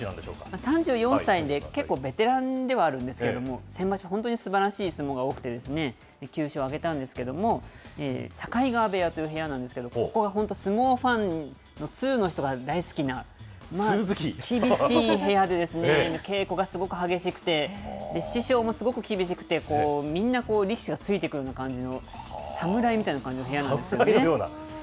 ３４歳で結構ベテランではあるんですけれども、先場所、本当にすばらしい相撲が多くて、９勝を挙げたんですけれども、境川部屋という部屋なんですけれども、ここが本当、相撲ファンの通の人が大好きな厳しい部屋で、稽古がすごく激しくて、師匠もすごく厳しくて、みんなこう、力士がついてくるような感じの、侍みたいな感じの部屋なんですね。